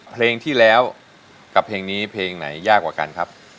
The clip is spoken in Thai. เพลงที่แล้วกับเพลงนี้เพลงไหนยากกว่ากันครับ